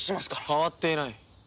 変わっていない。